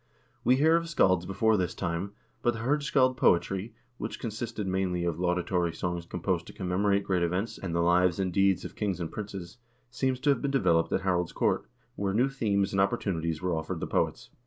We hear of scalds before this time, but the hirdscald poetry, which consisted mainly of laudatory songs composed to commemorate great events and the lives and deeds of kings and princes, seems to have been developed at Harald's court, where new themes and opportunities were offered the poets.